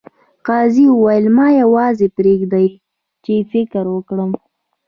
قاضي وویل ما یوازې پریږدئ چې فکر وکړم.